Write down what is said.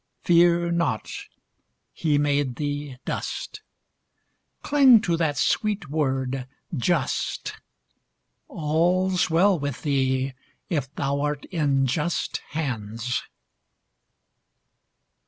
Fear not: He made thee dust; Cling to that sweet word—"Just;"All 's well with thee if thou art in just hands.